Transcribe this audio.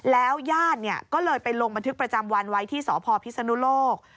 แล้วญาติก็เลยไปลงบันทึกประจำวันไว้ที่สพพิศนุโลก